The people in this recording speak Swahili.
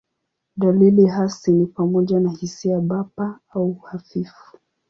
Dalili hasi ni pamoja na hisia bapa au hafifu.